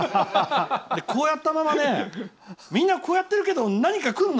こうやったままみんなこうやってるけど何か来るの？